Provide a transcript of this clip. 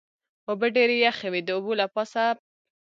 اوبه ډېرې یخې وې، د اوبو له پاسه.